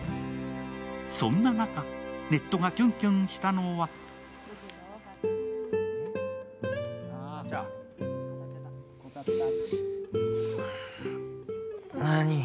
そんな中、ネットがキュンキュンしたのは何？